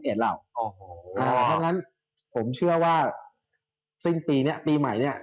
เพราะฉะนั้นผมเชื่อว่าสิ้นปีนี้ปีใหม่เนี่ย